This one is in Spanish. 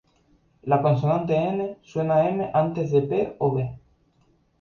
La consonante "n" suena m antes de "p" o "b".